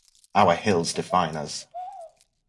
"Our hills define us"!